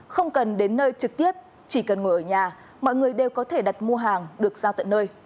không cần đến nơi trực tiếp chỉ cần ngồi ở nhà mọi người đều có thể đặt mua hàng được giao tận nơi